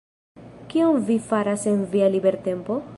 Kion vi faras en via libertempo?